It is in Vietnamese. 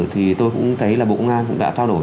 thì tôi cũng thấy là bộ công an cũng đã trao đổi